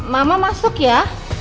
mama masuk ya